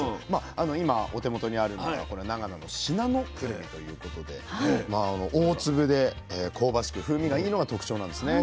今お手元にあるのがこれ長野の信濃くるみということで大粒で香ばしく風味がいいのが特徴なんですね。